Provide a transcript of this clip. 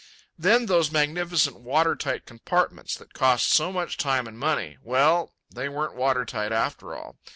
Then those magnificent water tight compartments that cost so much time and money—well, they weren't water tight after all.